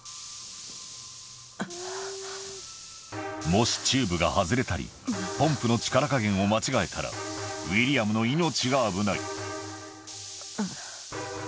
もしチューブが外れたり、ポンプの力加減を間違えたら、ウィリアムの命が危ない。